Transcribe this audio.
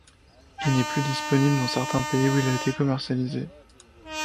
Il n'est plus disponible dans certains pays où il a été commercialisé.